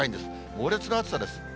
猛烈な暑さです。